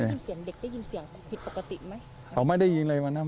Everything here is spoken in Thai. เด็กได้ยินเสียงผิดปกติไหม